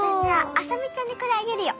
麻美ちゃんにこれあげるよ。